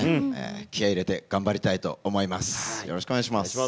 気合い入れて頑張りたいと思います。